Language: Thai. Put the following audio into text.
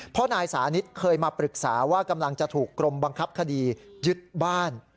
เพราะนายสานิทเคยมาปรึกษาว่ากำลังจะถูกกรมบังคับคดียึดบ้าน